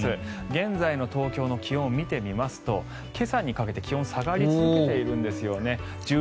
現在の東京の気温を見てみますと今朝にかけて気温が下がり続けているんですよね。